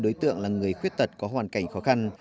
đối tượng là người khuyết tật có hoàn cảnh khó khăn